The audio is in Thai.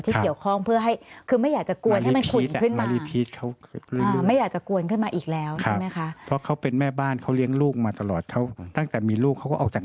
ที่เกี่ยวข้องเผื่อไม่อยากจะกวนให้มันขุนขึ้นมา